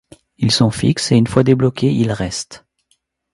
Ils sont fixes et une fois débloqués ils restent.